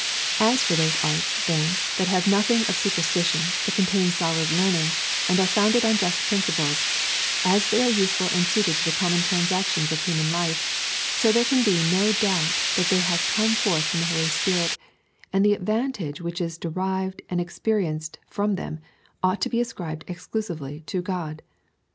As for those arts, then, that have nothing of superstition, but contain solid learning,^ and are founded on just principles, as they are useful and suited to the common transactions of human life, so there can be no doubt that they have come forth from the Holy Spirit ; and the advantage which is derived and experienced from them, ought to be ascribed exclusively to God.